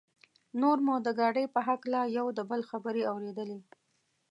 نور مو د ګاډي په هکله یو د بل خبرې اورېدلې.